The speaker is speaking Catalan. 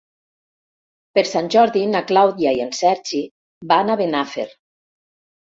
Per Sant Jordi na Clàudia i en Sergi van a Benafer.